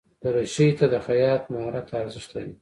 دریشي ته د خیاط مهارت ارزښت لري.